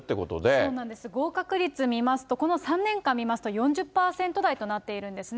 そうなんです、合格率見ますと、この３年間見ますと、４０％台となっているんですね。